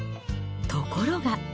ところが。